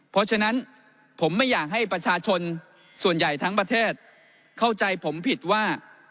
เพราะฉะนั้นผมไม่อยากให้ประชาชนส่วนใหญ่ทั้งประเทศเข้าใจผมผิดว่า